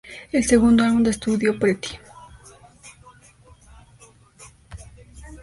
El segundo álbum de estudio, "Pretty.